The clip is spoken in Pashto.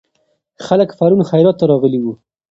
خلک پرون خیرات ته راغلي وو.